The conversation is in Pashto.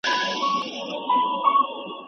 پوښتنه کیږي، د ژوندیو خښو شویو نجونو